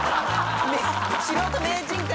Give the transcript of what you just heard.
「『素人名人会』」